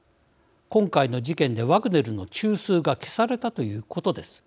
今回の事件でワグネルの中枢が消されたということです。